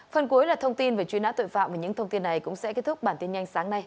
phần cuối là thông tin về truy nã tội phạm và những thông tin này cũng sẽ kết thúc bản tin nhanh sáng nay